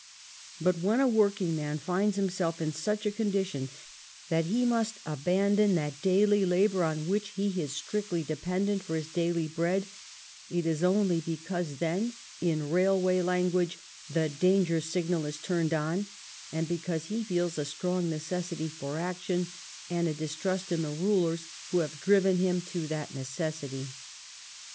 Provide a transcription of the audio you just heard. But when a workingman finds himself in such a condition that he must abandon that daily labor on which he is strictly dependent for his daily bread, it is only be cause then, in railway language, the danger signal is turned on, and because he feels a strong neces sity for action, and a distrust in the rulers who have driven him to that necessity.